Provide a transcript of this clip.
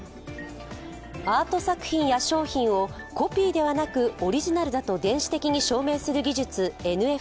アート作品や商品をコピーではなくオリジナルだと電子的に証明する技術、ＮＦＴ。